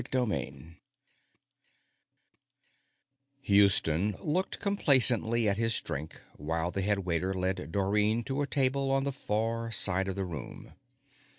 Houston looked complacently at his drink while the headwaiter led Dorrine to a table on the far side of the room.